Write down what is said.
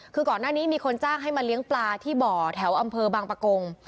คือก่อนหน้านี้มีคนจ้างให้มาเลี้ยงปลาที่บ่อแถวอำเภอบางปะกง